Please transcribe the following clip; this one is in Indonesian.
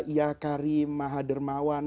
ya karim maha dermawan